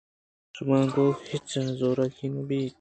۔شمئے گون ءَ ھچ زوراکی نہ بیت۔